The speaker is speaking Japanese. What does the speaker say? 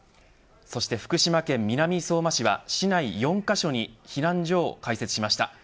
福島県南相馬市は市内４カ所に避難所を開設しました。